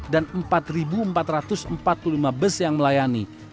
empat empat ratus empat puluh lima bus yang melayani